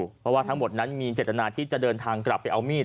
เพราะว่าทั้งหมดนั้นมีเจตนาที่จะเดินทางกลับไปเอามีด